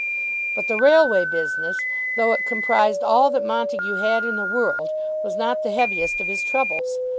But the Railway business, though it comprised all that Montague had in the world, was not the heaviest of his troubles.